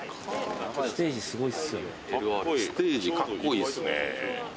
ステージかっこいいっすね。